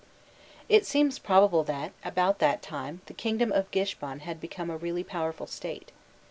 It seems probable that, about that time, the kingdom of Gishban had become a really powerful state.